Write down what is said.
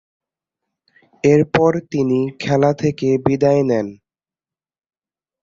এরপর তিনি খেলা থেকে বিদায় নেন।